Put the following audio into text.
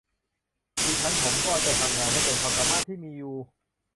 ดิฉันผมก็จะทำงานให้เต็มความสามารถที่มีอยู่